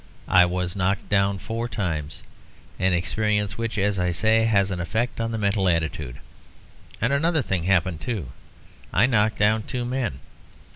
I was knocked down four times; an experience which, as I say, has an effect on the mental attitude. And another thing happened, too. I knocked down two men.